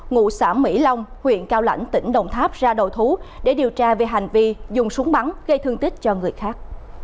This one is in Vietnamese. ngụ xã mỹ long huyện cao lãnh tỉnh đồng tháp ra đầu thú để điều tra về hành vi dùng súng bắn gây thương tích cho người khác